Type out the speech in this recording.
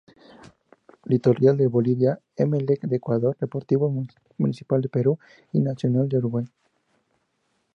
Litoral de Bolivia, Emelec de Ecuador, Deportivo Municipal de Perú y Nacional de Uruguay.